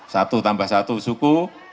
satu tambah satu suku